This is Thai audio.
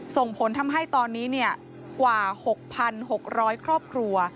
ส่งผลทำให้ตอนนี้กว่า๖๖๐๐ครอบครัว